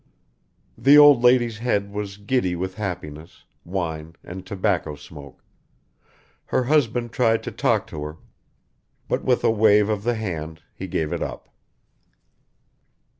The old lady's head was giddy with happiness, wine and tobacco smoke; her husband tried to talk to her but with a wave of the hand he gave it up.